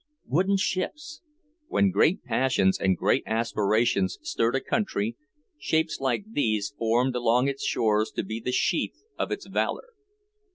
Wooden ships! When great passions and great aspirations stirred a country, shapes like these formed along its shores to be the sheath of its valour.